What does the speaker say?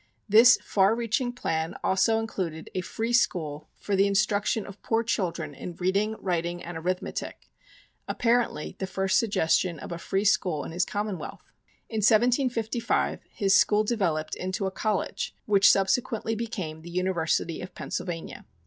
This far reaching plan also included a "Free School for the Instruction of Poor Children in Reading, Writing and Arithmetic" apparently the first suggestion of a free school in his commonwealth. In 1755, his school developed into a college which subsequently became the University of Pennsylvania.